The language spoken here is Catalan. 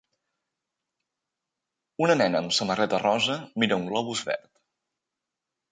Una nena amb samarreta rosa mira un globus verd.